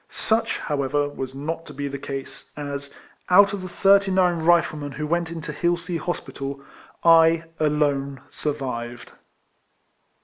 Such, however, was not to be the case, as, out of the thirty nine RIFLEMAN HARRIS. 267 Eiflemen who went into Hilsea hospital, I alone survived.